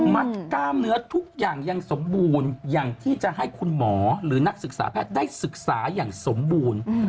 กล้ามเนื้อทุกอย่างยังสมบูรณ์อย่างที่จะให้คุณหมอหรือนักศึกษาแพทย์ได้ศึกษาอย่างสมบูรณ์